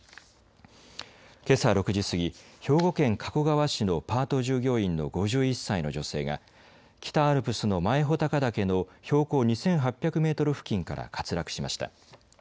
けさ６時過ぎ、兵庫県加古川市のパート従業員の５１歳の女性が北アルプスの前穂高岳の標高２８００メートル付近から滑落しました。